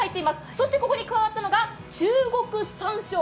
そしてここに加わったのが中国さんしょう。